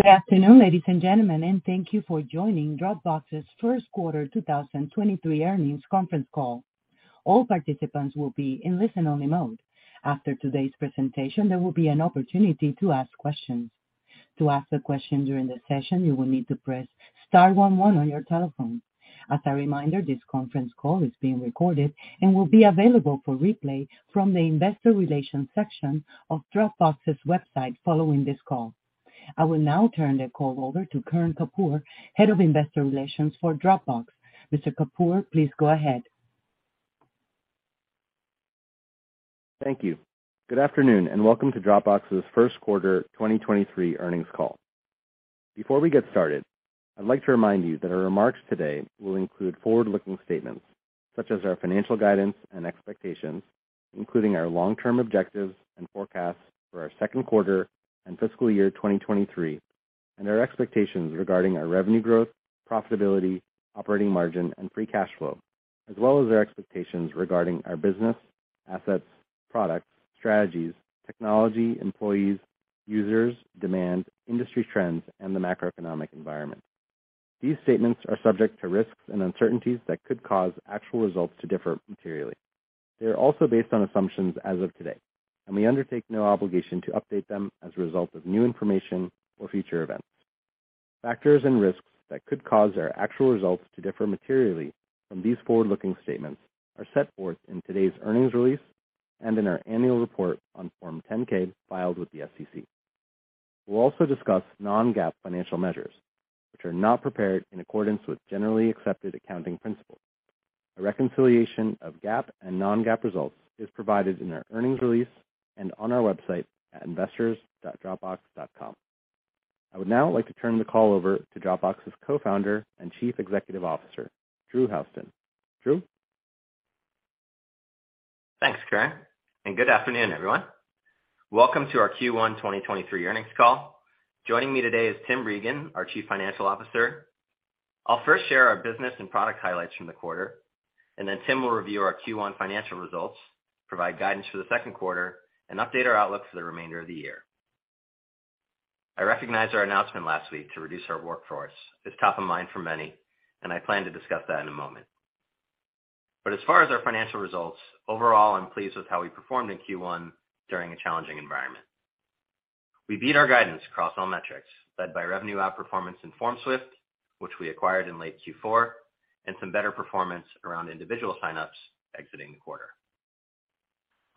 Good afternoon, ladies and gentlemen. Thank you for joining Dropbox's first quarter 2023 earnings conference call. All participants will be in listen-only mode. After today's presentation, there will be an opportunity to ask questions. To ask a question during the session, you will need to press star one one on your telephone. As a reminder, this conference call is being recorded and will be available for replay from the investor relations section of Dropbox's website following this call. I will now turn the call over to Karan Kapoor, Head of Investor Relations for Dropbox. Mr. Kapoor, please go ahead. Thank you. Good afternoon, welcome to Dropbox's first quarter 2023 earnings call. Before we get started, I'd like to remind you that our remarks today will include forward-looking statements such as our financial guidance and expectations, including our long-term objectives and forecasts for our second quarter and fiscal year 2023, our expectations regarding our revenue growth, profitability, operating margin, and free cash flow, as well as our expectations regarding our business, assets, products, strategies, technology, employees, users, demand, industry trends, and the macroeconomic environment. These statements are subject to risks and uncertainties that could cause actual results to differ materially. They are also based on assumptions as of today, we undertake no obligation to update them as a result of new information or future events. Factors and risks that could cause our actual results to differ materially from these forward-looking statements are set forth in today's earnings release and in our annual report on Form 10-K filed with the SEC. We will also discuss non-GAAP financial measures, which are not prepared in accordance with generally accepted accounting principles. A reconciliation of GAAP and non-GAAP results is provided in our earnings release and on our website at investors.dropbox.com. I would now like to turn the call over to Dropbox's Co-founder and Chief Executive Officer, Drew Houston. Drew? Thanks, Karan. Good afternoon, everyone. Welcome to our Q1 2023 earnings call. Joining me today is Tim Regan, our Chief Financial Officer. I'll first share our business and product highlights from the quarter. Tim will review our Q1 financial results, provide guidance for the second quarter, and update our outlook for the remainder of the year. I recognize our announcement last week to reduce our workforce is top of mind for many. I plan to discuss that in a moment. As far as our financial results, overall, I'm pleased with how we performed in Q1 during a challenging environment. We beat our guidance across all metrics, led by revenue outperformance in FormSwift, which we acquired in late Q4, and some better performance around individual sign-ups exiting the quarter.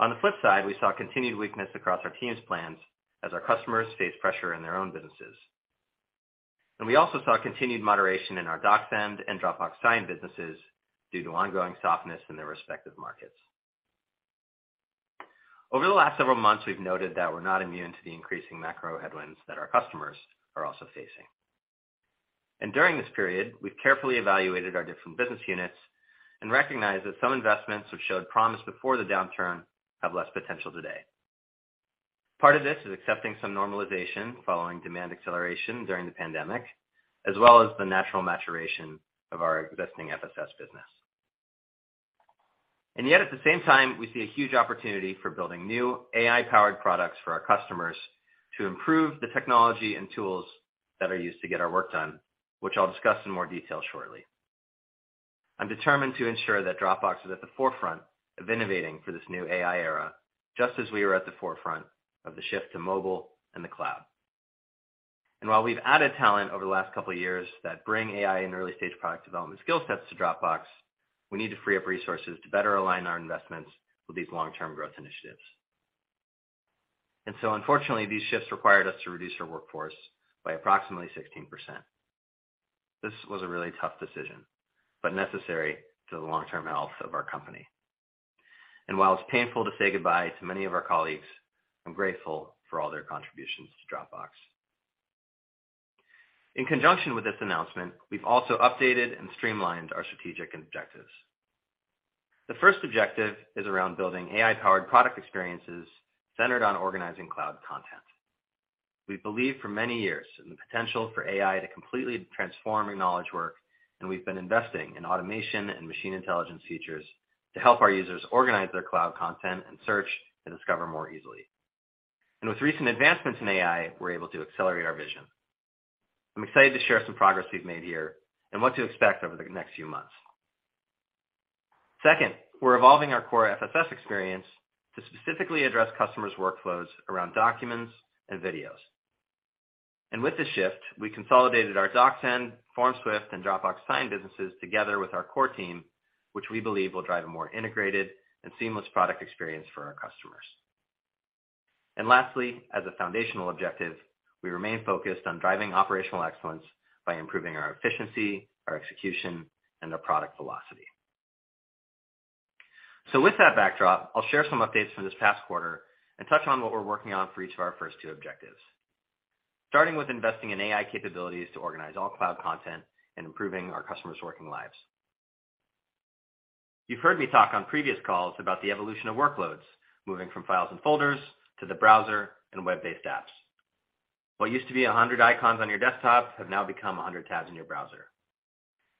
On the flip side, we saw continued weakness across our teams plans as our customers face pressure in their own businesses. We also saw continued moderation in our DocSend and Dropbox Sign businesses due to ongoing softness in their respective markets. Over the last several months, we have noted that we're not immune to the increasing macro headwinds that our customers are also facing. During this period, we've carefully evaluated our different business units and recognized that some investments which showed promise before the downturn have less potential today. Part of this is accepting some normalization following demand acceleration during the pandemic, as well as the natural maturation of our existing FSS business. Yet, at the same time, we see a huge opportunity for building new AI-powered products for our customers to improve the technology and tools that are used to get our work done, which I'll discuss in more detail shortly. I'm determined to ensure that Dropbox is at the forefront of innovating for this new AI era, just as we were at the forefront of the shift to mobile and the cloud. While we added talent over the last couple of years that bring AI and early-stage product development skill sets to Dropbox, we need to free up resources to better align our investments with these long-term growth initiatives. Unfortunately, these shifts required us to reduce our workforce by approximately 16%. This was a really tough decision, but necessary to the long-term health of our company. While it's painful to say goodbye to many of our colleagues, I'm grateful for all their contributions to Dropbox. In conjunction with this announcement, we have also updated and streamlined our strategic objectives. The first objective is around building, AI-powered product experiences centered on organizing cloud content. We believe for many years in the potential for AI to completely transform your knowledge work, and we've been investing in automation and machine intelligence features to help our users organize their cloud content and search and discover more easily. With recent advancements in AI, we're able to accelerate our vision. I'm excited to share some progress we've made here and what to expect over the next few months. Second, we're evolving our core FSS experience to specifically address customers' workflows around documents and videos. With this shift, we consolidated our DocSend, FormSwift, and Dropbox Sign businesses together with our core team, which we believe will drive a more integrated and seamless product experience for our customers. Lastly, as a foundational objective, we remain focused on driving operational excellence by improving our efficiency, our execution, and the product velocity. With that backdrop, I'll share some updates from this past quarter and touch on what we're working on for each of our first 2 objectives. Starting with investing in AI capabilities to organize all cloud content and improving our customers' working lives. You've heard me talk on previous calls about the evolution of workloads, moving from files and folders to the browser and web-based apps. What used to be 100 icons on your desktop have now become 100 tabs in your browser.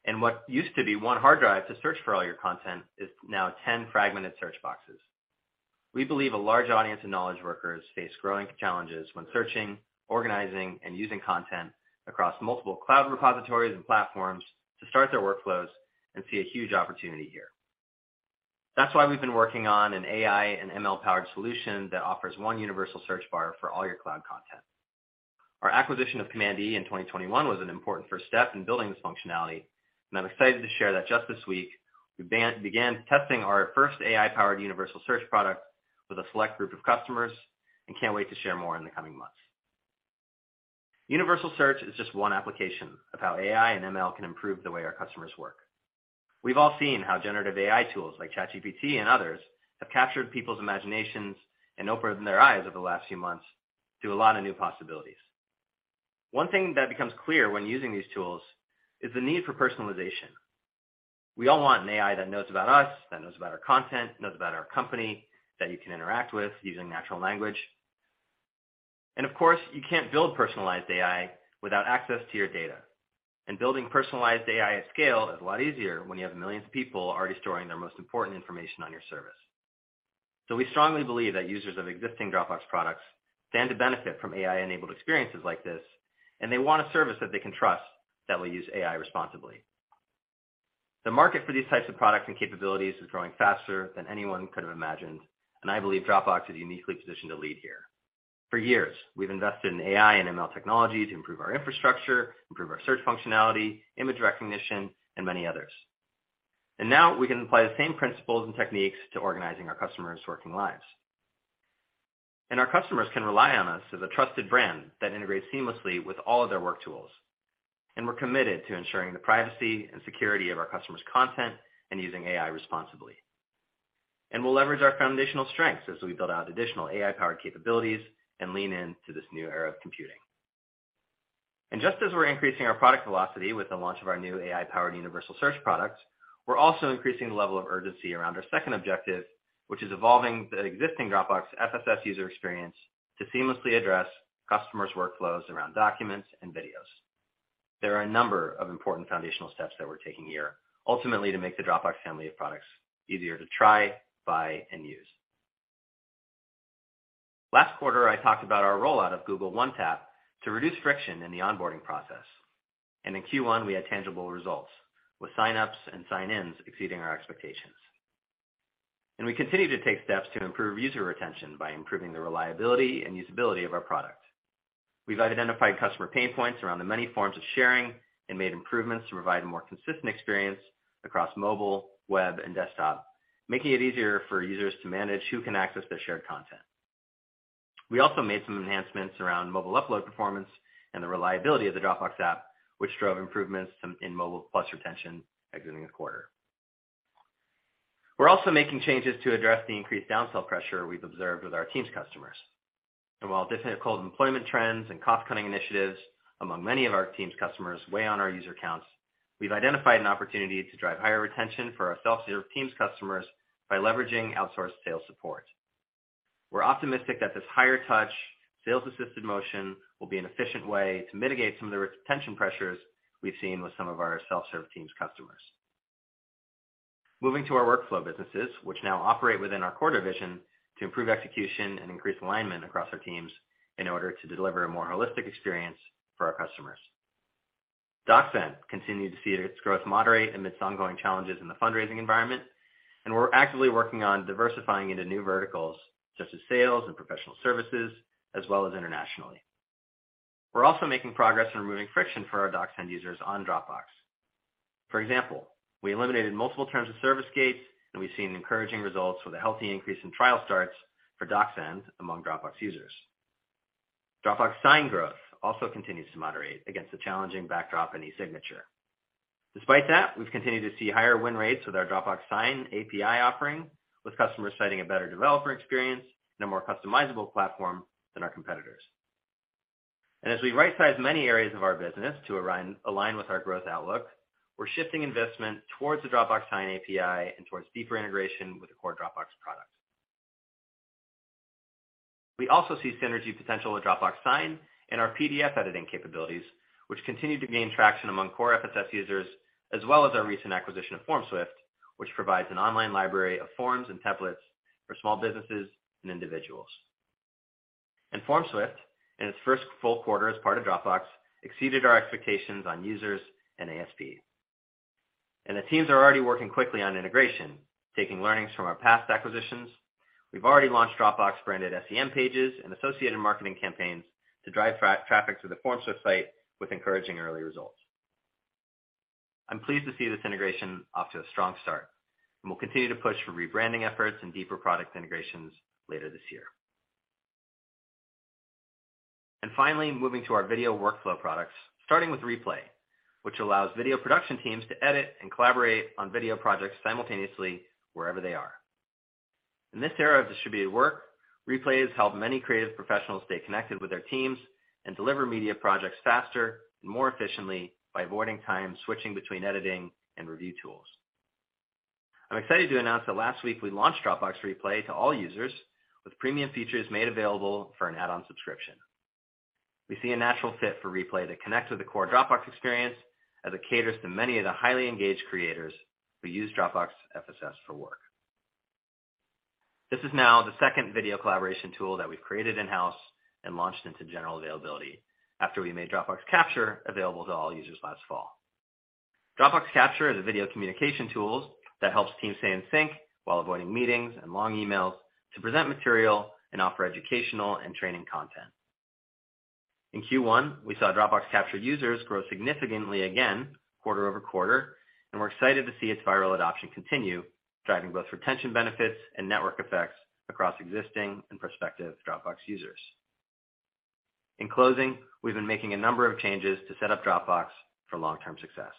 What used to be 1 hard drive to search for all your content is now 10 fragmented search boxes. We believe a large audience of knowledge workers face growing challenges when searching, organizing, and using content across multiple cloud repositories and platforms to start their workflows and see a huge opportunity here. That's why we have been working on an AI and ML-powered solution that offers 1 universal search bar for all your cloud content. Our acquisition of Command E in 2021 was an important first step in building this functionality, and I'm excited to share that just this week, I began testing our first AI-powered universal search product with a select group of customers and can't wait to share more in the coming months. Universal search is just one application of how AI and ML can improve the way our customers work. We've all seen how generative AI tools like ChatGPT and others have captured people's imaginations and opened their eyes over the last few months to a lot of new possibilities. One thing that becomes clear when using these tools is the need for personalization. We all want an AI that knows about us, that knows about our content, knows about our company, that you can interact with using natural language. Of course you can't build personalized AI without access to your data. Building personalized AI at scale is a lot easier when you have millions of people already storing their most important information on your service. We strongly believe that users of existing Dropbox products stand to benefit from AI-enabled experiences like this, and they want a service that they can trust that will use AI responsibly. The market for these types of products and capabilities is growing faster than anyone could have imagined and I believe Dropbox is uniquely positioned to lead here. For years, we've invested in AI and ML technology to improve our infrastructure, improve our search functionality, image recognition, and many others. Now we can apply the same principles and techniques to organizing our customers' working lives. Our customers can rely on us as a trusted brand that integrates seamlessly with all of their work tools. We are committed to ensuring the privacy and security of our customers' content and using AI responsibly. We'll leverage our foundational strengths as we build out additional AI-powered capabilities and lean into this new era of computing. Just as we're increasing our product velocity with the launch of our new AI-powered universal search product, we're also increasing the level of urgency around our second objective, which is evolving the existing Dropbox FSS user experience to seamlessly address customers' workflows around documents and videos. There are a number of important foundational steps that we're taking here, ultimately to make the Dropbox family of products easier to try, buy, and use. Last quarter, I talked about our rollout of Google One Tap to reduce friction in the onboarding process. In Q1, we had tangible results, with sign-ups and sign-ins exceeding our expectations. We continue to take steps to improve user retention by improving the reliability and usability of our product. We have identified customer pain points around the many forms of sharing and made improvements to provide a more consistent experience across mobile, web, and desktop, making it easier for users to manage who can access their shared content. We also made some enhancements around mobile upload performance and the reliability of the Dropbox app, which drove improvements in mobile plus retention exiting this quarter. We're also making changes to address the increased down-sell pressure we've observed with our Teams customers. While difficult employment trends and cost-cutting initiatives among many of our Teams customers weigh on our user counts, we've identified an opportunity to drive higher retention for our self-serve Teams customers by leveraging outsourced sales support. We're optimistic that this higher-touch sales-assisted motion will be an efficient way to mitigate some of the retention pressures we have seen with some of our self-serve Teams customers. Moving to our workflow businesses, which now operate within our core division to improve execution and increase alignment across our teams in order to deliver a more holistic experience for our customers. DocSend continued to see its growth moderate amidst ongoing challenges in the fundraising environment, and we're actively working on diversifying into new verticals, such as sales and professional services, as well as internationally. We are also making progress in removing friction for our DocSend users on Dropbox. For example, we eliminated multiple terms of service gates, and we have seen encouraging results with a healthy increase in trial starts for DocSend among Dropbox users. Dropbox Sign growth also continues to moderate against the challenging backdrop in e-signature. Despite that, we have continued to see higher win rates with our Dropbox Sign API offering, with customers citing a better developer experience and a more customizable platform than our competitors. As we right-size many areas of our business to align with our growth outlook, we're shifting investment towards the Dropbox Sign API and towards deeper integration with the core Dropbox products. We also see synergy potential with Dropbox Sign and our PDF editing capabilities, which continue to gain traction among core FSS users, as well as our recent acquisition of FormSwift, which provides an online library of forms and templates for small businesses and individuals. FormSwift, in its first full quarter as part of Dropbox, exceeded our expectations on users and ASP. The teams are already working quickly on integration, taking learnings from our past acquisitions. We've already launched Dropbox-branded SEM pages and associated marketing campaigns to drive traffic to the FormSwift site with encouraging early results. I'm pleased to see this integration off to a strong start, and we will continue to push for rebranding efforts and deeper product integrations later this year. Finally, moving to our video workflow products, starting with Replay, which allows video production teams to edit and collaborate on video projects simultaneously wherever they are. In this era of distributed work, Replay has helped many creative professionals stay connected with their teams and deliver media projects faster and more efficiently by avoiding time switching between editing and review tools. I'm excited to announce that last week we launched Dropbox Replay to all users with premium features made available for an add-on subscription. We see a natural fit for Replay to connect with the core Dropbox experience as it caters to many of the highly engaged creators who use Dropbox FSS for work. This is now the second video collaboration tool that we have created in-house and launched into general availability after we made Dropbox Capture available to all users last fall. Dropbox Capture is a video communication tool that helps teams stay in sync while avoiding meetings and long emails to present material and offer educational and training content. In Q1, we saw Dropbox Capture users grow significantly again quarter-over-quarter, and we're excited to see its viral adoption continue, driving both retention benefits and network effects across existing and prospective Dropbox users. In closing, we have been making a number of changes to set up Dropbox for long-term success.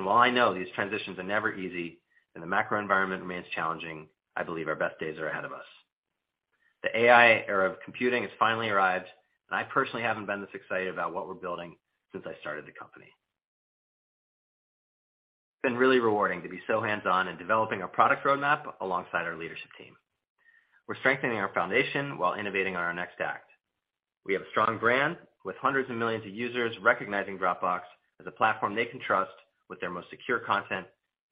While I know these transitions are never easy and the macro environment remains challenging, I believe our best days are ahead of us. The AI era of computing has finally arrived, and I personally haven't been this excited about what we're building since I started the company. It's been really rewarding to be so hands-on in developing our product roadmap alongside our leadership team. We are strengthening our foundation while innovating on our next act. We have a strong brand with hundreds of millions of users recognizing Dropbox as a platform they can trust with their most secure content.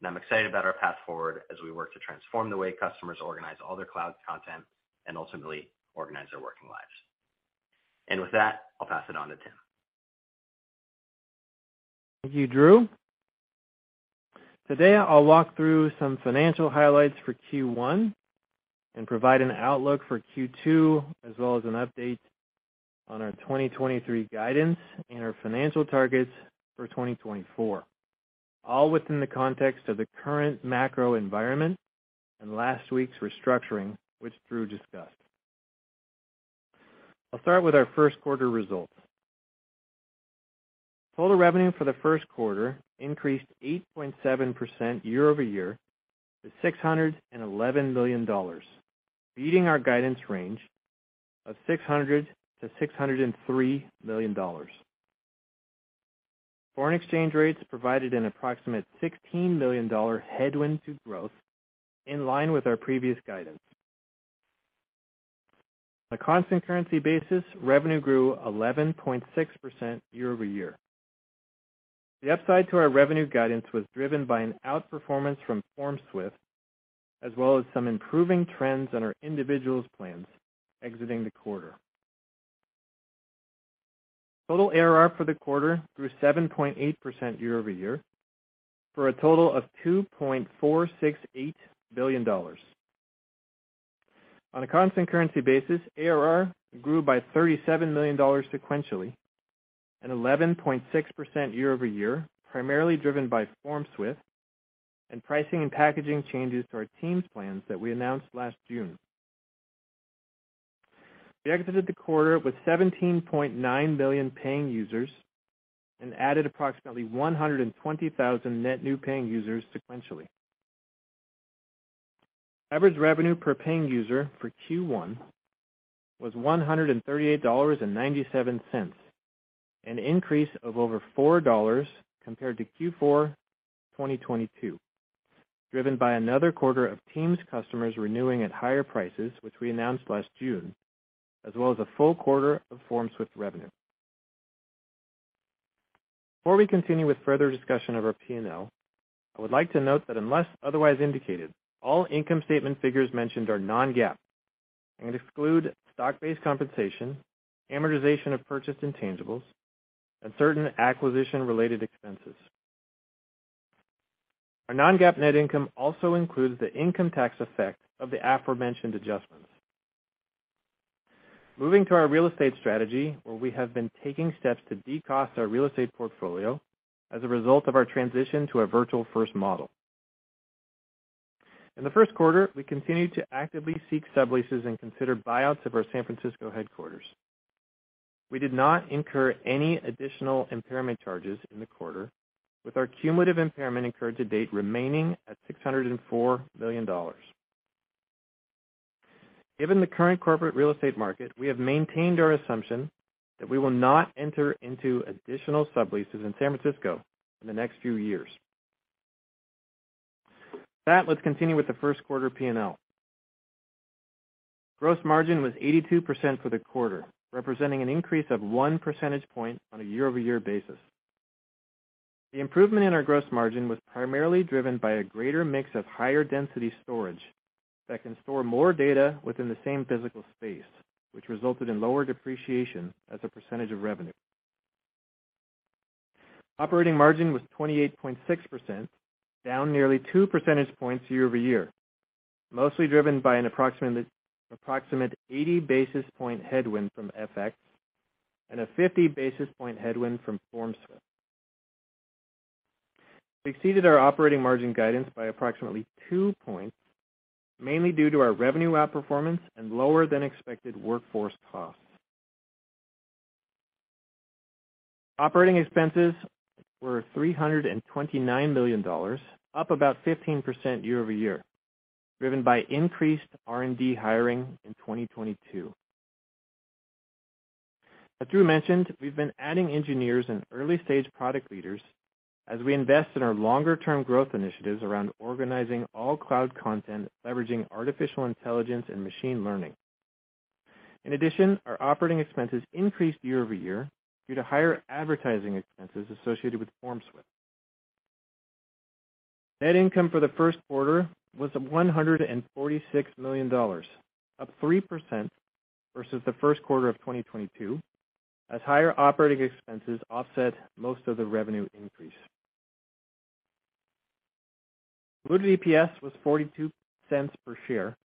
I'm excited about our path forward as we work to transform the way customers organize all their cloud content and ultimately organize their working lives. With that, I will pass it on to Tim. Thank you, Drew. Today, I'll walk through some financial highlights for Q1 and provide an outlook for Q2, as well as an update on our 2023 guidance and our financial targets for 2024, all within the context of the current macro environment and last week's restructuring, which Drew discussed. I'll start with our first quarter results. Total revenue for the first quarter increased 8.7% year-over-year to $611 million, beating our guidance range of $600 million-$603 million. Foreign exchange rates provided an approximate $16 million headwind to growth, in line with our previous guidance. On a constant currency basis, revenue grew 11.6% year-over-year. The upside to our revenue guidance was driven by an outperformance from FormSwift, as well as some improving trends on our individuals plans exiting the quarter. Total ARR for the quarter grew 7.8% year-over-year for a total of $2.468 billion. On a constant currency basis, ARR grew by $37 million sequentially and 11.6% year-over-year, primarily driven by FormSwift and pricing and packaging changes to our teams plans that we announced last June. We exited the quarter with 17.9 million paying users and added approximately 120,000 net new paying users sequentially. Average revenue per paying user for Q1 was $138.97, an increase of over $4 compared to Q4 2022, driven by another quarter of teams customers renewing at higher prices, which we announced last June, as well as a full quarter of FormSwift revenue. Before we continue with further discussion of our P&L, I would like to note that unless otherwise indicated, all income statement figures mentioned are non-GAAP and exclude stock-based compensation, amortization of purchased intangibles and certain acquisition-related expenses. Our non-GAAP net income also includes the income tax effect of the aforementioned adjustments. Moving to our real estate strategy, where we have been taking steps to decost our real estate portfolio as a result of our transition to a Virtual First model. In the first quarter, we continued to actively seek subleases and consider buyouts of our San Francisco headquarters. We did not incur any additional impairment charges in the quarter, with our cumulative impairment incurred to date remaining at $604 million. Given the current corporate real estate market, we have maintained our assumption that we will not enter into additional subleases in San Francisco in the next few years. With that, let us continue with the first quarter P&L. Gross margin was 82% for the quarter, representing an increase of 1 percentage point on a year-over-year basis. The improvement in our gross margin was primarily driven by a greater mix of higher density storage that can store more data within the same physical space, which resulted in lower depreciation as a percentage of revenue. Operating margin was 28.6%, down nearly 2 percentage points year-over-year, mostly driven by an approximate 80 basis point headwind from FX and a 50 basis point headwind from FormSwift. We exceeded our operating margin guidance by approximately 2 points, mainly due to our revenue outperformance and lower than expected workforce costs. Operating expenses were $329 million, up about 15% year-over-year, driven by increased R&D hiring in 2022. As Drew mentioned, we have been adding engineers and early-stage product leaders as we invest in our longer-term growth initiatives around organizing all cloud content, leveraging artificial intelligence and machine learning. In addition, our operating expenses increased year-over-year due to higher advertising expenses associated with FormSwift. Net income for the first quarter was $146 million, up 3% versus the first quarter of 2022 as higher operating expenses offset most of the revenue increase. Diluted EPS was $0.42 per share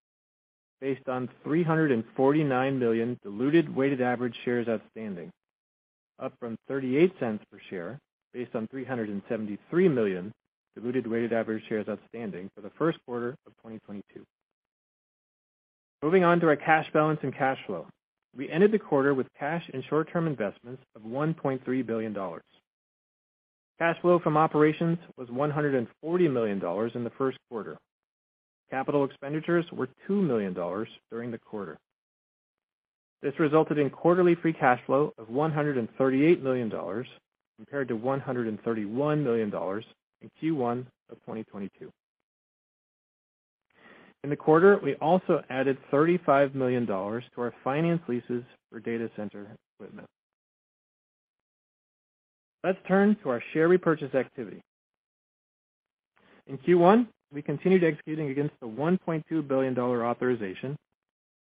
based on 349 million diluted weighted average shares outstanding, up from $0.38 per share based on 373 million diluted weighted average shares outstanding for the first quarter of 2022. Moving on to our cash balance and cash flow. We ended the quarter with cash and short-term investments of $1.3 billion. Cash flow from operations was $140 million in the first quarter. Capital expenditures were $2 million during the quarter. This resulted in quarterly free cash flow of $138 million compared to $131 million in Q1 of 2022. In the quarter, we also added $35 million to our finance leases for data center equipment. Let's turn to our share repurchase activity. In Q1, we continued executing against the $1.2 billion authorization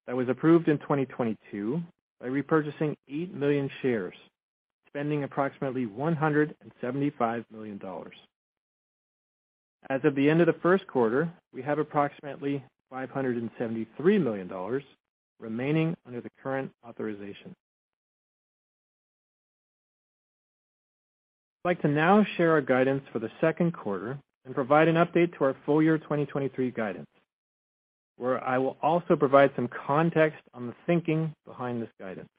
that was approved in 2022 by repurchasing 8 million shares, spending approximately $175 million. As of the end of the first quarter, we have approximately $573 million remaining under the current authorization. I'd like to now share our guidance for the second quarter and provide an update to our full year 2023 guidance, where I will also provide some context on the thinking behind this guidance.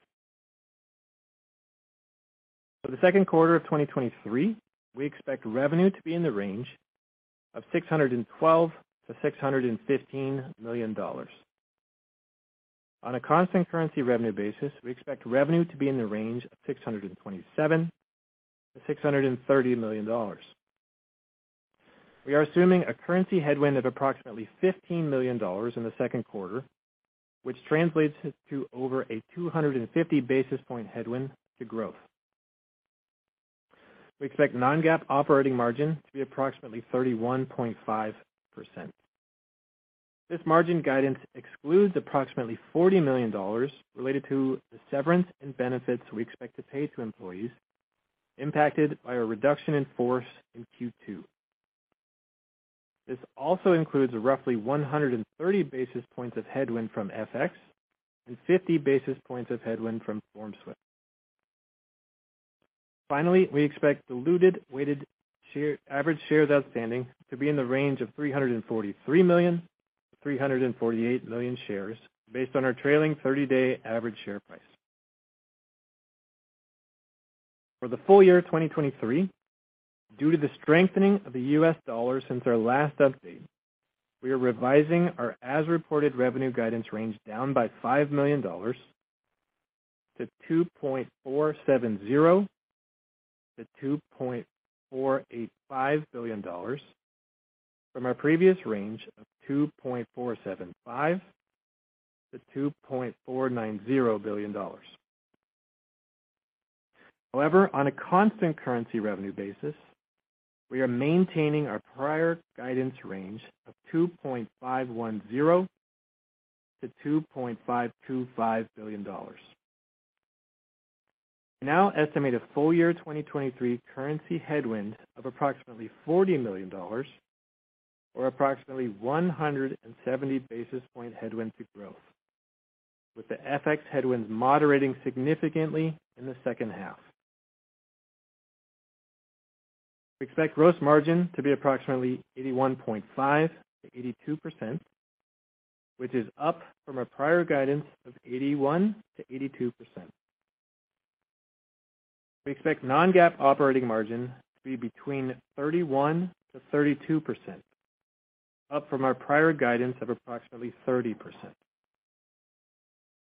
For the second quarter of 2023, we expect revenue to be in the range of $612 million-$615 million. On a constant currency revenue basis, we expect revenue to be in the range of $627 million-$630 million. We are assuming a currency headwind of approximately $15 million in the second quarter, which translates to over a 250 basis point headwind to growth. We expect non-GAAP operating margin to be approximately 31.5%. This margin guidance excludes approximately $40 million related to the severance and benefits we expect to pay to employees impacted by a reduction in force in Q2. This also includes roughly 130 basis points of headwind from FX and 50 basis points of headwind from FormSwift. Finally, we expect diluted weighted share, average shares outstanding to be in the range of 343 million to 348 million shares based on our trailing 30-day average share price. For the full year of 2023, due to the strengthening of the US dollar since our last update, we are revising our as-reported revenue guidance range down by $5 million to $2.470 billion-$2.485 billion from our previous range of $2.475 billion-$2.490 billion. On a constant currency revenue basis, we are maintaining our prior guidance range of $2.510 billion-$2.525 billion. We now estimate a full year 2023 currency headwind of approximately $40 million or approximately 170 basis point headwind to growth, with the FX headwind moderating significantly in the second half. We expect gross margin to be approximately 81.5%-82%, which is up from our prior guidance of 81%-82%. We expect non-GAAP operating margin to be between 31%-32%, up from our prior guidance of approximately 30%.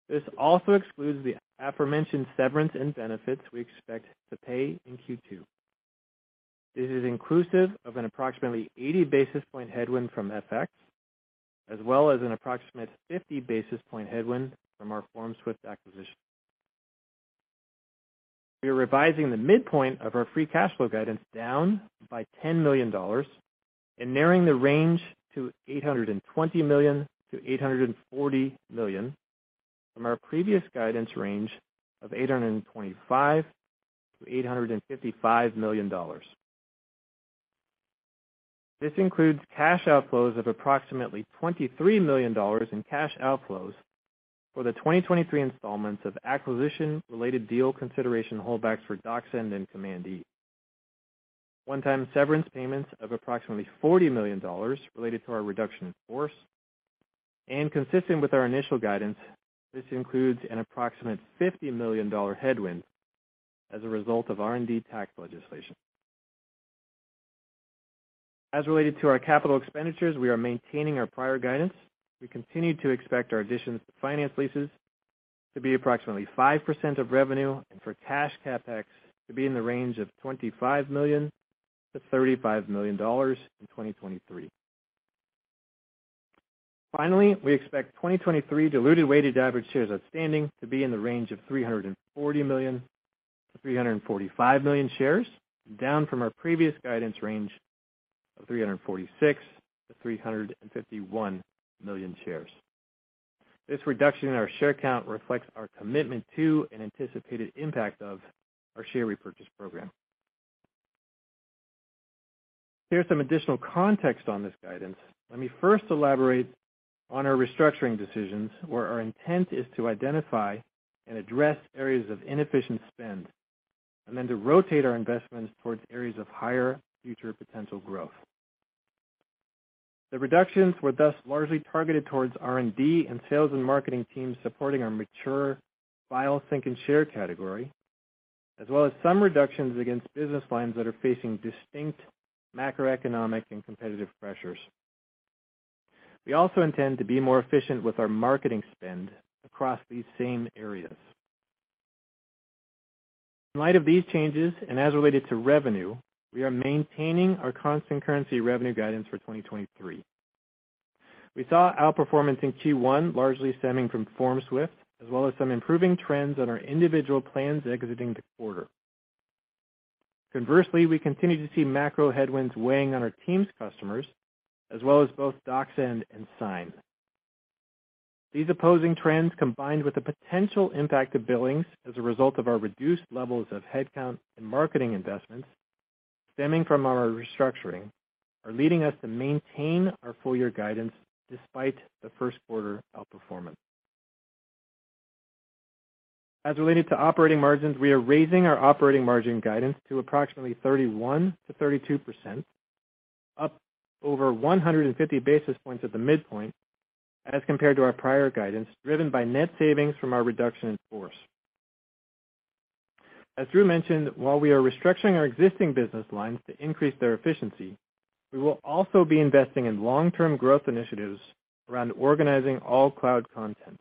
This also excludes the aforementioned severance and benefits we expect to pay in Q2. This is inclusive of an approximately 80 basis point headwind from FX, as well as an approximate 50 basis point headwind from our FormSwift acquisition. We are revising the midpoint of our free cash flow guidance down by $10 million and narrowing the range to $820 million-$840 million from our previous guidance range of $825 million-$855 million. This includes cash outflows of approximately $23 million in cash outflows for the 2023 installments of acquisition-related deal consideration holdbacks for DocSend and Command E, one-time severance payments of approximately $40 million related to our reduction in force. And consistent with our initial guidance, this includes an approximate $50 million headwind as a result of R&D tax legislation. As related to our capital expenditures, we are maintaining our prior guidance. We continue to expect our additions to finance leases to be approximately 5% of revenue and for cash CapEx to be in the range of $25 million-$35 million in 2023. We expect 2023 diluted weighted average shares outstanding to be in the range of 340 million-345 million shares, down from our previous guidance range of 346 million-351 million shares. This reduction in our share count reflects our commitment to, and anticipated impact of, our share repurchase program. To give some additional context on this guidance, let me first elaborate on our restructuring decisions, where our intent is to identify and address areas of inefficient spend, and then to rotate our investments towards areas of higher future potential growth. The reductions were thus largely targeted towards R&D and sales and marketing teams supporting our mature file sync and share category, as well as some reductions against business lines that are facing distinct macroeconomic and competitive pressures. We also intend to be more efficient with our marketing spend across these same areas. In light of these changes, and as related to revenue, we are maintaining our constant currency revenue guidance for 2023. We saw outperformance in Q1, largely stemming from FormSwift, as well as some improving trends on our individual plans exiting the quarter. Conversely, we continue to see macro headwinds weighing on our teams customers, as well as both DocSend and Sign. These opposing trends, combined with the potential impact of billings as a result of our reduced levels of headcount and marketing investments stemming from our restructuring, are leading us to maintain our full year guidance despite the first quarter outperformance. As related to operating margins, we are raising our operating margin guidance to approximately 31%-32%, up over 150 basis points at the midpoint as compared to our prior guidance, driven by net savings from our reduction in force. As Drew mentioned, while we are restructuring our existing business lines to increase their efficiency, we will also be investing in long-term growth initiatives around organizing all cloud content.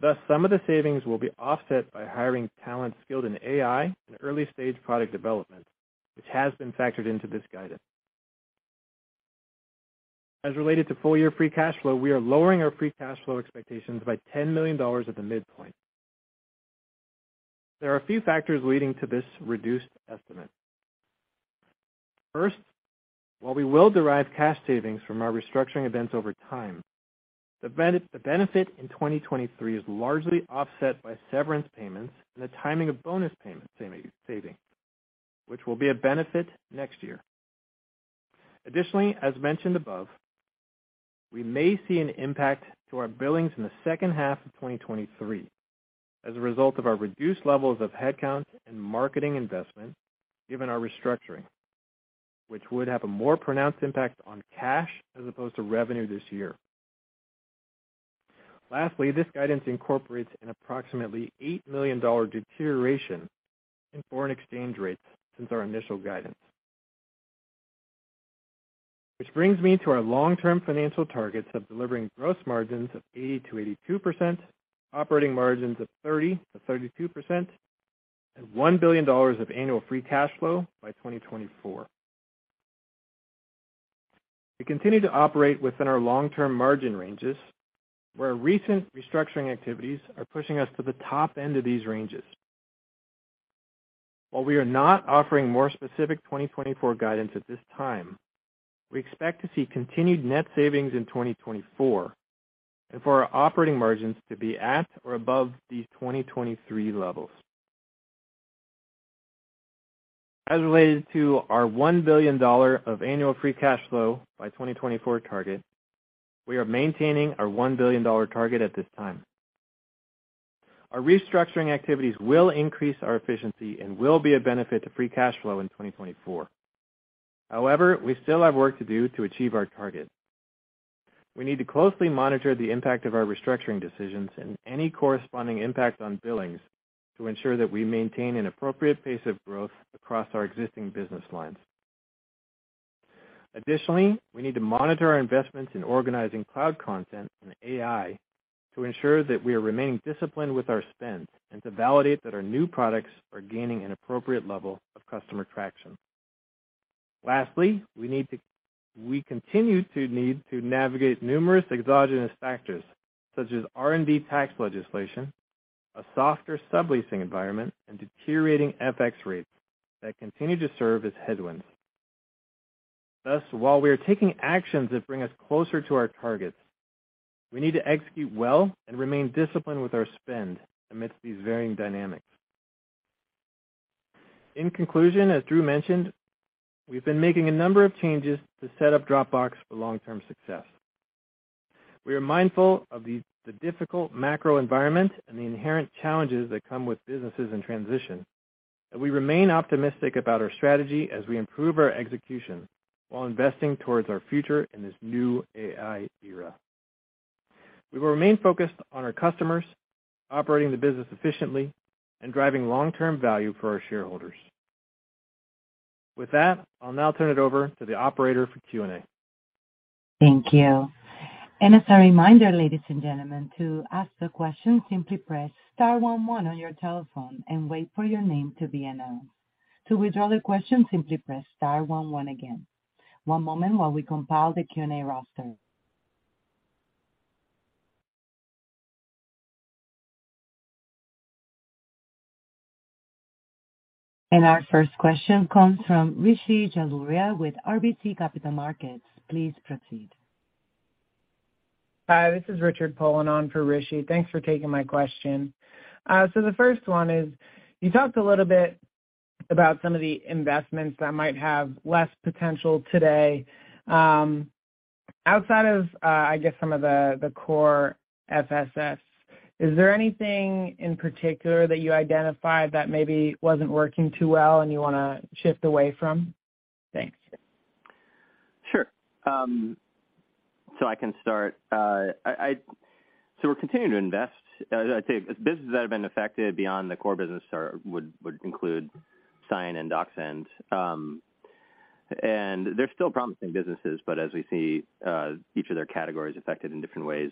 Thus, some of the savings will be offset by hiring talent skilled in AI and early-stage product development, which has been factored into this guidance. As related to full year free cash flow, we are lowering our free cash flow expectations by $10 million at the midpoint. There are a few factors leading to this reduced estimate. First, while we will derive cash savings from our restructuring events over time, the benefit in 2023 is largely offset by severance payments and the timing of bonus payment saving, which will be a benefit next year. Additionaly as mentioned above, we may see an impact to our billings in the second half of 2023 as a result of our reduced levels of headcount and marketing investment given our restructuring, which would have a more pronounced impact on cash as opposed to revenue this year. This guidance incorporates an approximately $8 million deterioration in foreign exchange rates since our initial guidance. Which brings me to our long-term financial targets of delivering gross margins of 80%-82%, operating margins of 30%-32%, and $1 billion of annual free cash flow by 2024. We continue to operate within our long-term margin ranges, where recent restructuring activities are pushing us to the top end of these ranges. While we are not offering more specific 2024 guidance at this time, we expect to see continued net savings in 2024 and for our operating margins to be at or above these 2023 levels. As related to our $1 billion of annual free cash flow by 2024 target, we are maintaining our $1 billion target at this time. Our restructuring activities will increase our efficiency and will be a benefit to free cash flow in 2024. However we still have work to do to achieve our target. We need to closely monitor the impact of our restructuring decisions and any corresponding impact on billings to ensure that we maintain an appropriate pace of growth across our existing business lines. We need to monitor our investments in organizing cloud content and AI to ensure that we are remaining disciplined with our spend and to validate that our new products are gaining an appropriate level of customer traction. Lastly we continue to need to navigate numerous exogenous factors such as R&D tax legislation, a softer subleasing environment, and deteriorating FX rates that continue to serve as headwinds. While we are taking actions that bring us closer to our targets, we need to execute well and remain disciplined with our spend amidst these varying dynamics. In conclusion, as Drew mentioned, we've been making a number of changes to set up Dropbox for long-term success. We are mindful of the difficult macro environment and the inherent challenges that come with businesses in transition. We remain optimistic about our strategy as we improve our execution while investing towards our future in this new AI era. We will remain focused on our customers, operating the business efficiently, and driving long-term value for our shareholders. With that, I'll now turn it over to the operator for Q&A. Thank you. As a reminder, ladies and gentlemen, to ask the question, simply press star 1 1 on your telephone and wait for your name to be announced. To withdraw the question, simply press star 1 1 again. One moment while we compile the Q&A roster. Our first question comes from Rishi Jaluria with RBC Capital Markets. Please proceed. Hi, this is Richard Poland for Rishi Jaluria. Thanks for taking my question. The first one is, you talked a little bit about some of the investments that might have less potential today. Outside of, I guess, some of the core FSS, is there anything in particular that you identified that maybe wasn't working too well and you wanna shift away from? Thanks. Sure. I can start. We're continuing to invest. I'd say businesses that have been affected beyond the core business would include Sign and DocSend. They're still promising businesses, but as we see each of their categories affected in different ways,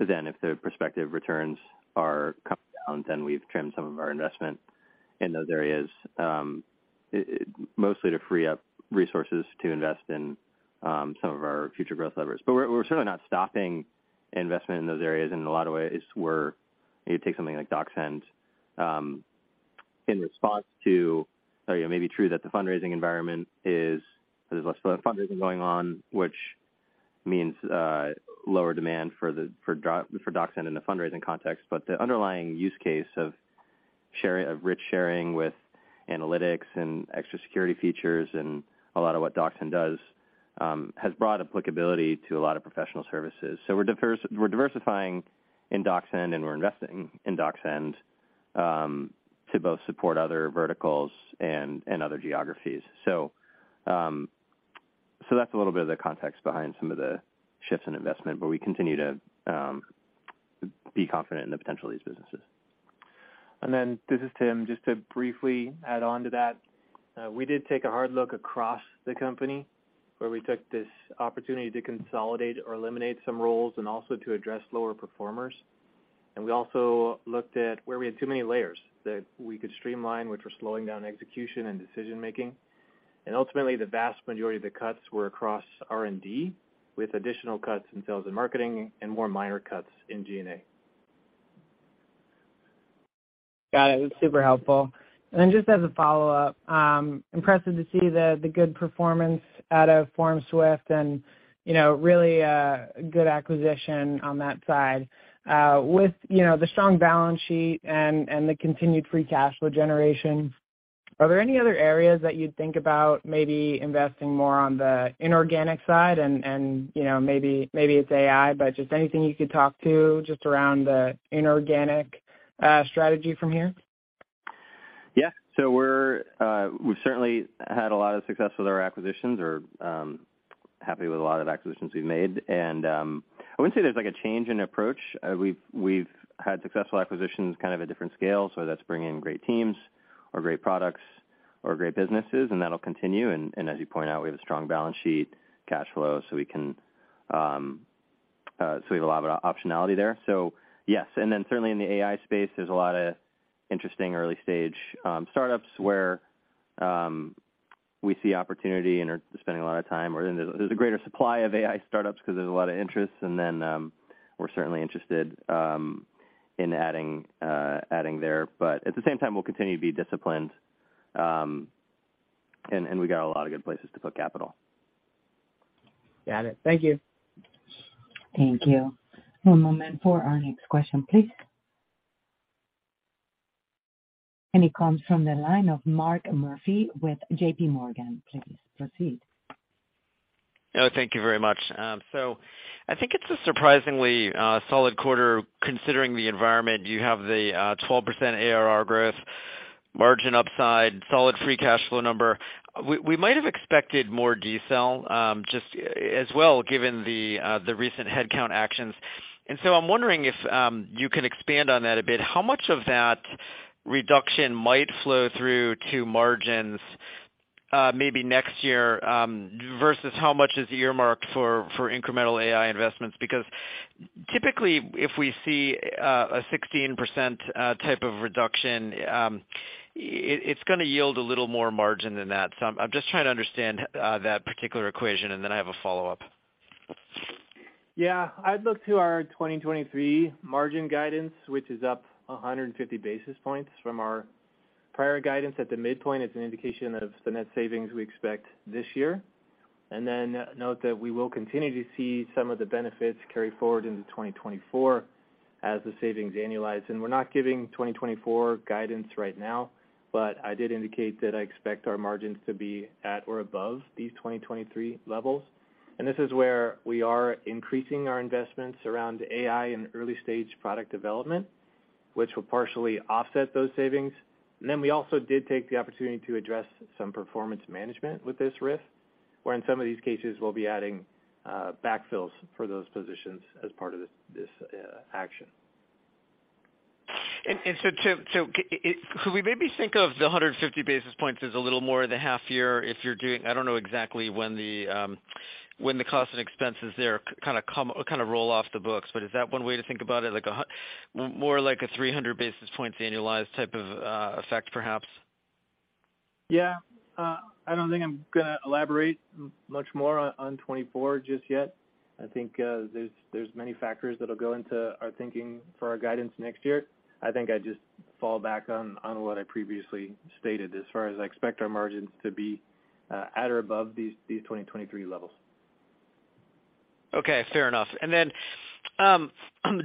if their prospective returns are coming down, we've trimmed some of our investment in those areas, mostly to free up resources to invest in some of our future growth levers. We're certainly not stopping investment in those areas in a lot of ways where you take something like DocSend, in response to. It may be true that the fundraising environment is there's less fundraising going on, which means, lower demand for the, for DocSend in the fundraising context, but the underlying use case of sharing, of rich sharing with analytics and extra security features and a lot of what DocSend does, has broad applicability to a lot of professional services. We're diversifying in DocSend, and we're investing in DocSend, to both support other verticals and other geographies. That's a little bit of the context behind some of the shifts in investment, but we continue to be confident in the potential of these businesses. And then this is Tim. Just to briefly add on to that, we did take a hard look across the company, where we took this opportunity to consolidate or eliminate some roles and also to address lower performers. We also looked at where we had too many layers that we could streamline, which were slowing down execution and decision-making. Ultimately, the vast majority of the cuts were across R&D, with additional cuts in sales and marketing and more minor cuts in G&A. Got it. Super helpful. Just as a follow-up, impressive to see the good performance out of FormSwift and, you know, really, good acquisition on that side. With, you know, the strong balance sheet and the continued free cash flow generation, are there any other areas that you'd think about maybe investing more on the inorganic side and, you know, maybe it's AI, but just anything you could talk to just around the inorganic strategy from here? We've certainly had a lot of success with our acquisitions. We're happy with a lot of the acquisitions we've made. I wouldn't say there's, like, a change in approach. We've had successful acquisitions kind of a different scale, so that's bringing great teams or great products or great businesses, and that'll continue. As you point out, we have a strong balance sheet cash flow, so we can, we have a lot of optionality there. Yes. Certainly in the AI space, there's a lot of interesting early stage startups where we see opportunity and are spending a lot of time. There's a greater supply of AI startups 'cause there's a lot of interest, we're certainly interested in adding there. At the same time, we'll continue to be disciplined, and we got a lot of good places to put capital. Got it. Thank you. Thank you. One moment for our next question, please. It comes from the line of Mark Murphy with JP Morgan. Please proceed. Thank you very much. I think it's a surprisingly solid quarter considering the environment. You have the 12% ARR growth, margin upside, solid free cash flow number. We, we might have expected more decel, just as well given the recent headcount actions. I'm wondering if you can expand on that a bit. How much of that reduction might flow through to margins, maybe next year, versus how much is earmarked for incremental AI investments? Typically, if we see a 16% type of reduction, it's gonna yield a little more margin than that. I'm just trying to understand that particular equation, and then I have a follow-up. Yeah. I'd look to our 2023 margin guidance, which is up 150 basis points from our prior guidance at the midpoint. It's an indication of the net savings we expect this year. Note that we will continue to see some of the benefits carry forward into 2024 as the savings annualize. We're not giving 2024 guidance right now, but I did indicate that I expect our margins to be at or above these 2023 levels. This is where we are increasing our investments around AI and early-stage product development, which will partially offset those savings. We also did take the opportunity to address some performance management with this RIF, where in some of these cases we'll be adding backfills for those positions as part of this action. Could we maybe think of the 150 basis points as a little more than half year if you're doing... I don't know exactly when the when the cost and expenses there kind of roll off the books, but is that one way to think about it? More like a 300 basis points annualized type of effect perhaps? I don't think I'm gonna elaborate much more on 2024 just yet. I think there's many factors that'll go into our thinking for our guidance next year. I think I'd just fall back on what I previously stated as far as I expect our margins to be at or above these 2023 levels. Okay, fair enough.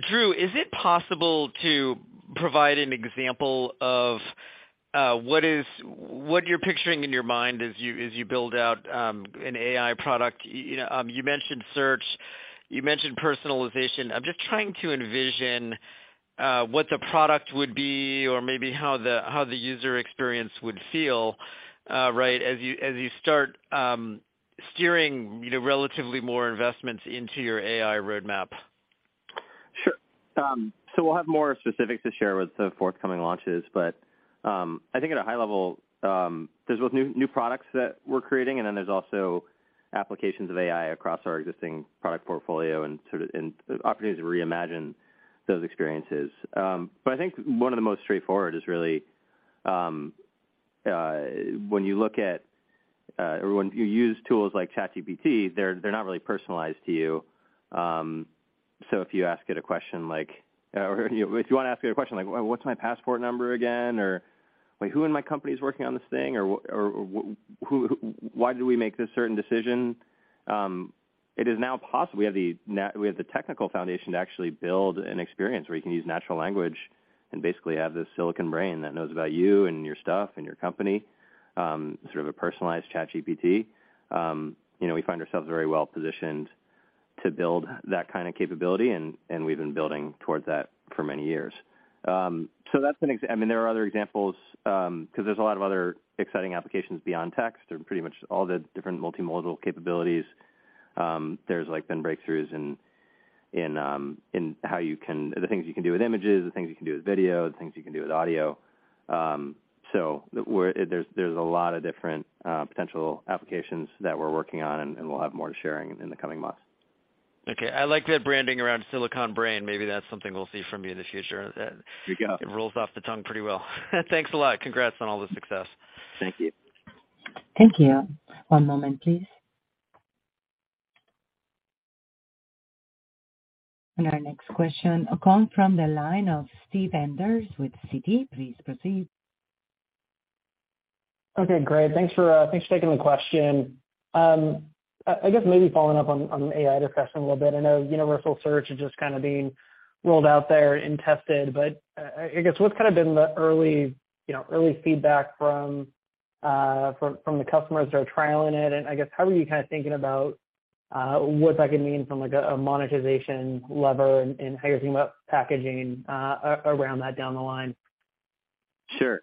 Drew, is it possible to provide an example of what you're picturing in your mind as you build out an AI product? You know, you mentioned search, you mentioned personalization. I'm just trying to envision what the product would be or maybe how the user experience would feel, right, as you start steering, you know, relatively more investments into your AI roadmap. Sure. We'll have more specifics to share with the forthcoming launches. I think at a high level, there is both new products that we are creating, and then there is also applications of AI across our existing product portfolio and opportunities to reimagine those experiences. I think one of the most straightforward is really, when you look at, or when you use tools like ChatGPT, they're not really personalized to you. If you ask it a question like, or if you wanna ask it a question like, "What's my passport number again?" Like, "Who in my company is working on this thing?" Who "Why did we make this certain decision?" It is now we have the technical foundation to actually build an experience where you can use natural language and basically have this silicon brain that knows about you and your stuff and your company, sort of a personalized ChatGPT. You know, we find ourselves very well positioned to build that kind of capability, and we have been building towards that for many years. That's an I mean, there are other examples, 'cause there is a lot of other exciting applications beyond text. There are pretty much all the different multimodal capabilities. There's like been breakthroughs in the things you can do with images, the things you can do with video, the things you can do with audio. There is, there's a lot of different potential applications that we're working on, and we'll have more to share in the coming months. Okay. I like that branding around silicon brain. Maybe that's something we'll see from you in the future. You got it. It rolls off the tongue pretty well. Thanks a lot. Congrats on all the success. Thank you. Thank you. One moment, please. Our next question comes from the line of Steve Enders with Citi. Please proceed. Okay, great. Thanks for, thanks for taking the question. I guess maybe following up on the AI discussion a little bit. I know Universal Search is just kind of being rolled out there and tested, but I guess what's kind of been the early, you know, early feedback from the customers that are trialing it? I guess how are you kind of thinking about, what that could mean from like a monetization lever and how you're thinking about packaging, around that down the line? Sure.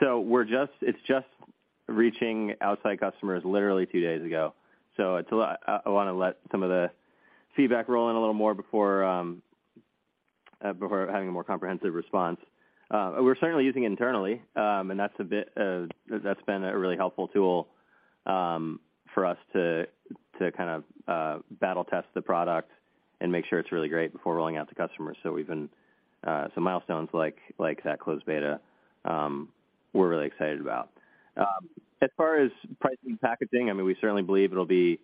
It's just reaching outside customers literally 2 days ago. Until I wanna let some of the feedback roll in a little more before having a more comprehensive response. We're certainly using it internally, and that's been a really helpful tool for us to kind of battle test the product and make sure it's really great before rolling out to customers. We have been some milestones like that closed beta, we are really excited about. As far as pricing and packaging, I mean, we certainly believe it'll be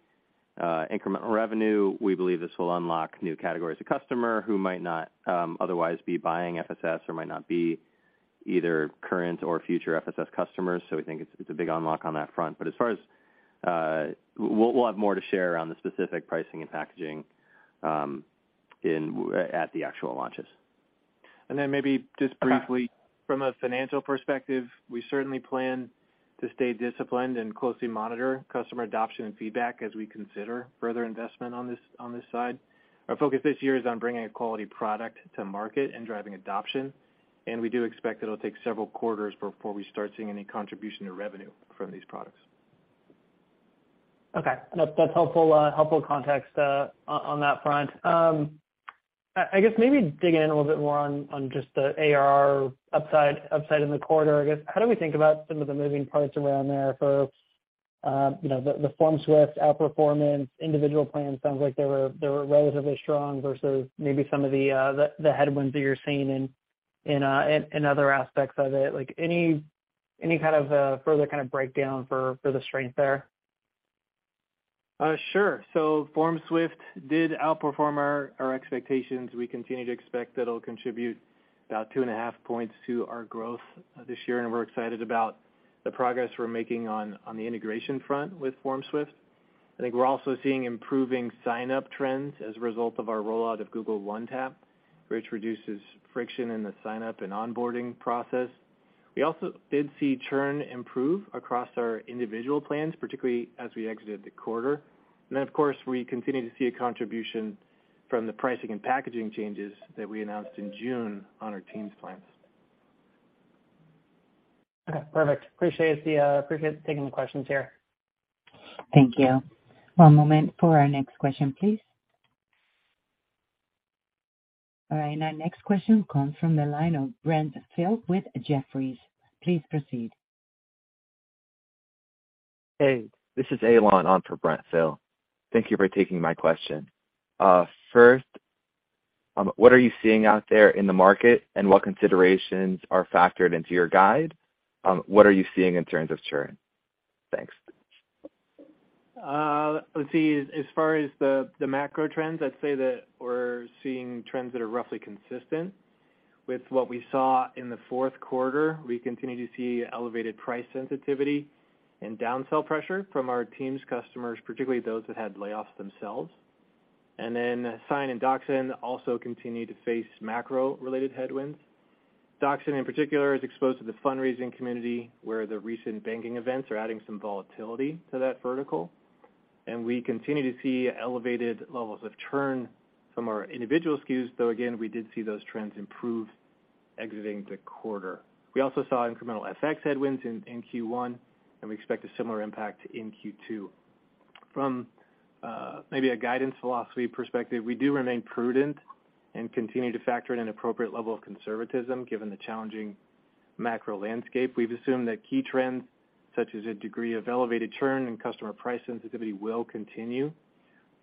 incremental revenue. We believe this will unlock new categories of customer who might not otherwise be buying FSS or might not be either current or future FSS customers. We think it's a big unlock on that front. As far as, We'll have more to share on the specific pricing and packaging at the actual launches. Maybe just briefly from a financial perspective, we certainly plan to stay disciplined and closely monitor customer adoption and feedback as we consider further investment on this side. Our focus this year is on bringing a quality product to market and driving adoption, and we do expect it will take several quarters before we start seeing any contribution to revenue from these products. Okay. That is helpful context on that front. I guess maybe digging in a little bit more on just the ARR upside in the quarter, I guess, how do we think about some of the moving parts around there for, you know, the FormSwift outperformance, individual plans? Sounds like they were relatively strong versus maybe some of the headwinds that you are seeing in other aspects of it. Like, any kind of further breakdown for the strength there? Sure. FormSwift did outperform our expectations. We continue to expect it'll contribute about 2.5 points to our growth this year, and we're excited about the progress we're making on the integration front with FormSwift. I think we're also seeing improving sign-up trends as a result of our rollout of Google One Tap, which reduces friction in the sign-up and onboarding process. We also did see churn improve across our individual plans, particularly as we exited the quarter. Of course, we continue to see a contribution from the pricing and packaging changes that we announced in June on our teams plans. Okay, perfect. Appreciate taking the questions here. Thank you. One moment for our next question, please. All right, our next question comes from the line of Brent Thill with Jefferies. Please proceed. Hey, this is Alon on for Brent Thill. Thank you for taking my question. First, what are you seeing out there in the market, and what considerations are factored into your guide? What are you seeing in terms of churn? Thanks. Let's see. As far as the macro trends, I'd say that we're seeing trends that are roughly consistent with what we saw in the fourth quarter. We continue to see elevated price sensitivity and down sell pressure from our teams customers, particularly those that had layoffs themselves. Sign and DocSend also continue to face macro-related headwinds. DocSend, in particular is exposed to the fundraising community, where the recent banking events are adding some volatility to that vertical. We continue to see elevated levels of churn from our individual SKUs, though again, we did see those trends improve exiting the quarter. We also saw incremental FX headwinds in Q1, and we expect a similar impact in Q2. From maybe a guidance philosophy perspective, we do remain prudent and continue to factor in an appropriate level of conservatism given the challenging macro landscape. We have assumed that key trends such as a degree of elevated churn and customer price sensitivity will continue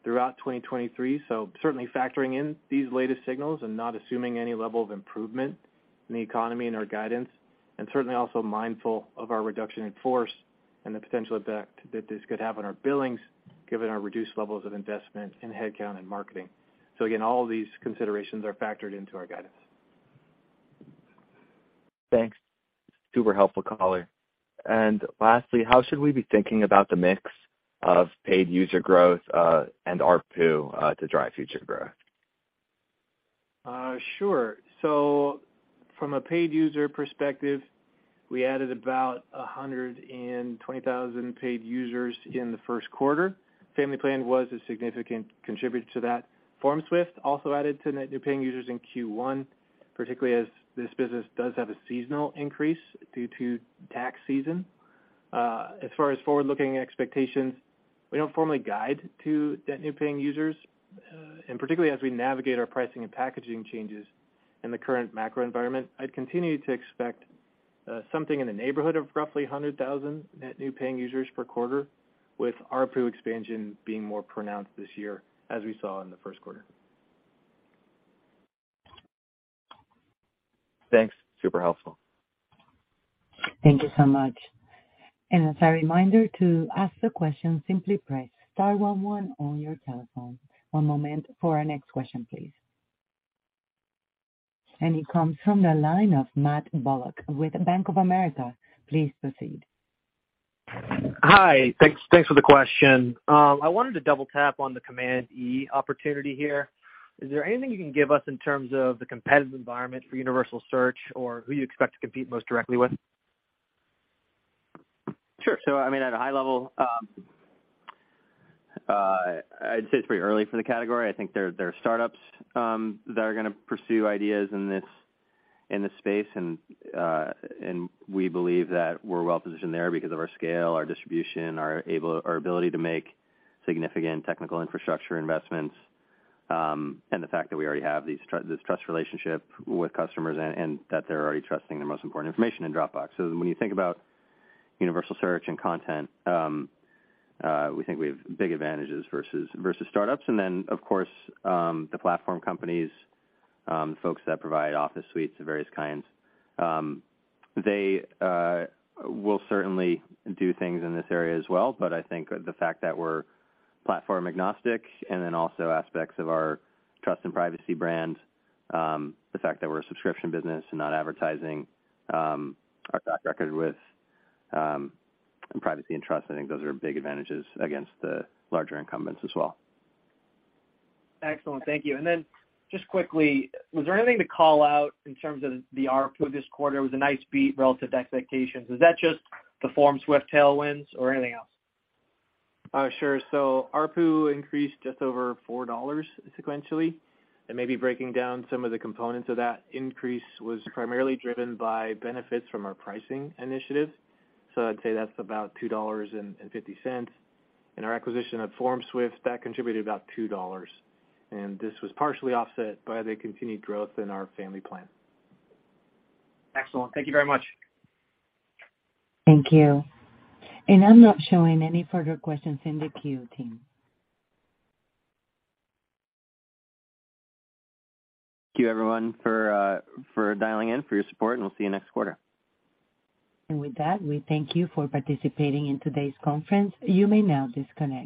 throughout 2023. Certainly factoring in these latest signals and not assuming any level of improvement in the economy and our guidance, and certainly also mindful of our reduction in force and the potential effect that this could have on our billings given our reduced levels of investment in headcount and marketing. Again, all these considerations are factored into our guidance. Thanks. Super helpful color. Lastly, how should we be thinking about the mix of paid user growth, and ARPU, to drive future growth? Sure. From a paid user perspective, we added about 120,000 paid users in the first quarter. Family plan was a significant contributor to that. FormSwift also added to net new paying users in Q1, particularly as this business does have a seasonal increase due to tax season. As far as forward-looking expectations, we don't formally guide to net new paying users. Particularly as we navigate our pricing and packaging changes in the current macro environment, I'd continue to expect, something in the neighborhood of roughly 100,000 net new paying users per quarter, with ARPU expansion being more pronounced this year, as we saw in the first quarter. Thanks. Super helpful. Thank you so much. As a reminder, to ask the question, simply press star 11 on your telephone. One moment for our next question, please. It comes from the line of Matt Bullock with Bank of America. Please proceed. Hi. Thanks for the question. I wanted to double tap on the Command E opportunity here. Is there anything you can give us in terms of the competitive environment for universal search or who you expect to compete most directly with? Sure. I mean, at a high level, I'd say it's pretty early for the category. I think there are startups that are gonna pursue ideas in this space. We believe that we are well-positioned there because of our scale, our distribution our ability to make significant technical infrastructure investments, and the fact that we already have this trust relationship with customers and that they are already trusting their most important information in Dropbox. When you think about universal search and content, we think we have big advantages versus startups. Of course, the platform companies, folks that provide Office Suites of various kinds, they will certainly do things in this area as well. I think the fact that we're platform agnostic and then also aspects of our trust and privacy brand, the fact that we are a subscription business and not advertising, our track record with, and privacy and trust, I think those are big advantages against the larger incumbents as well. Excellent. Thank you. Just quickly, was there anything to call out in terms of the ARPU this quarter? It was a nice beat relative to expectations. Is that just the FormSwift tailwinds or anything else? Sure. ARPU increased just over $4 sequentially, maybe breaking down some of the components of that increase was primarily driven by benefits from our pricing initiatives, so I'd say that is about $2.50. Our acquisition of FormSwift, that contributed about $2. This was partially offset by the continued growth in our family plan. Excellent. Thank you very much. Thank you. I'm not showing any further questions in the queue, team. Thank you, everyone, for dialing in, for your support, we'll see you next quarter. With that, we thank you for participating in today's conference. You may now disconnect.